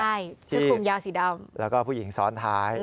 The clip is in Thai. ใช่เสื้อคุมยาวสีดำแล้วก็ผู้หญิงซ้อนท้าย